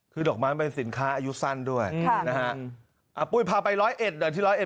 ขึ้นดอกมันเป็นสินค้าอายุสั้นด้วยนะฮะอ่าปุ้ยพาไปร้อยเอ็ดระที่ร้อยเอ็ด